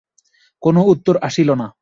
কোনো উত্তর আসিল না।